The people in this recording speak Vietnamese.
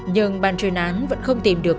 nhưng bàn truyền án vẫn không tìm được